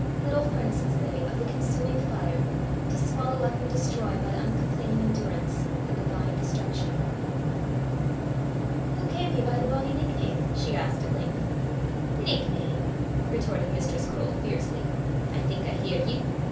little furnaces they, of the consuming fire, to swallow up and destroy by uncomplaining endurance the divine destruction! "Hoo cam he by the bonnie nickname?" she asked at length. "Nickname!" retorted Mistress Croale fiercely; "I think I hear ye!